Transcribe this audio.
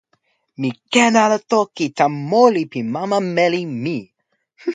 mi ken ala toki tan moli pi mama meli mi.